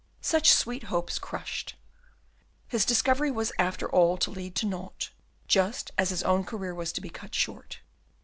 such sweet hopes crushed! His discovery was, after all, to lead to naught, just as his own career was to be cut short.